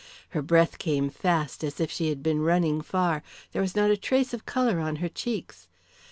Her breath came fast as if she had been running far, there was not a trace of colour on her cheeks.